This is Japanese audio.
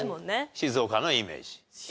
静岡のイメージ。